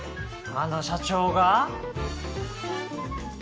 あの社長が？